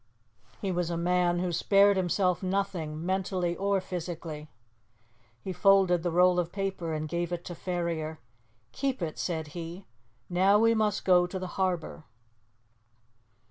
He was a man who spared himself nothing, mentally or physically. He folded the roll of paper and gave it to Ferrier. "Keep it," said he. "Now we must go to the harbour."